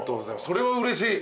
それはうれしい。